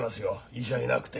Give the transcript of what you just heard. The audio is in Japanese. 医者いなくて。